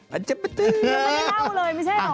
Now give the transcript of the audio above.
ไม่เล่าเลยไม่ใช่เหรอ